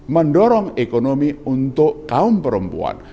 mendorong ekonomi untuk kaum perempuan